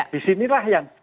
di sinilah yang